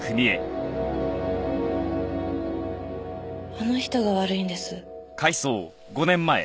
あの人が悪いんです。